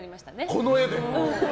この絵で？